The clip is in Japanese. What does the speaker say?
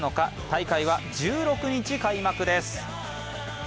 大会は１６日開幕です。